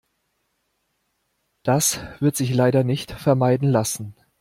Das wird sich leider nicht vermeiden lassen.